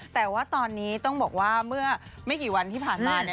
แต่ว่าตอนนี้ต้องบอกว่าเมื่อไม่กี่วันที่ผ่านมาเนี่ย